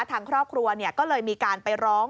ทางครอบครัวก็เลยมีการไปร้อง